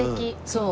そう。